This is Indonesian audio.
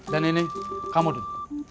dan ini kamu adun